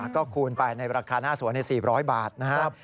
ก็คูณไปในราคาหน้าสวนใน๔๐๐บาทนะครับ